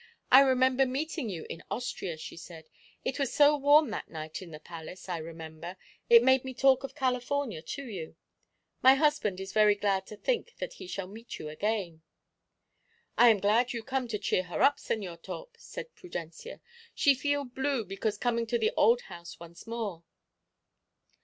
"I remember meeting you in Austria," she said. "It was so warm that night in the palace, I remember, it made me talk of California to you. My husband is very glad to think that he shall meet you again." "I am glad you come to cheer her up, Señor Torp," said Prudencia. "She feel blue because coming to the old house once more."